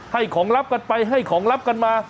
ให้ของลับกันไปให้ของลับกันมา